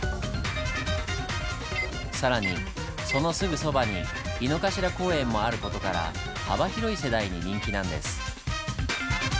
更にそのすぐそばに井の頭公園もある事から幅広い世代に人気なんです。